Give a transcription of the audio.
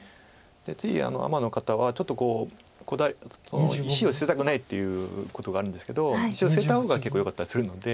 ついアマの方はちょっと石を捨てたくないということがあるんですけど石を捨てた方が結構よかったりするので。